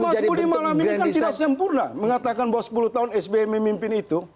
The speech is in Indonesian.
mas budi malam ini kan tidak sempurna mengatakan bahwa sepuluh tahun sbm memimpin itu